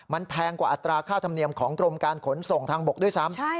มันแพงกว่าอัตราค่าธรรมเนียมของกรมการขนส่งทางบกด้วยซ้ำ